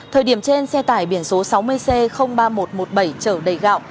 thời điểm trên xe tải biển số sáu mươi c ba nghìn một trăm một mươi bảy trở đầy gạo